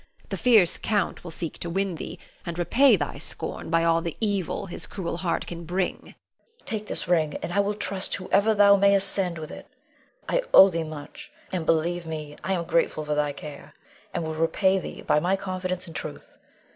The fierce Count will seek to win thee, and repay thy scorn by all the evil his cruel heart can bring. Leonore. Take this ring, and I will trust whoever thou mayst send with it. I owe thee much, and, believe me, I am grateful for thy care, and will repay thee by my confidence and truth.